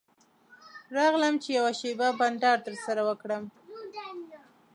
راغلم چې یوه شېبه بنډار درسره وکړم.